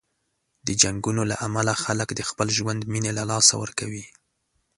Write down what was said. د جنګونو له امله خلک د خپل ژوند مینې له لاسه ورکوي.